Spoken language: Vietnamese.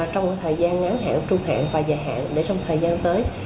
trong thời gian ngắn hạn trung hạn và dài hạn để trong thời gian tới